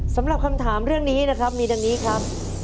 สำหรับคำถามเรื่องนี้นะครับมีดังนี้ครับ